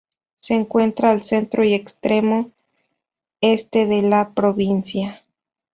Se encuentra al centro y extremo este de la provincia.